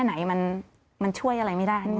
ไหนมันช่วยอะไรไม่ได้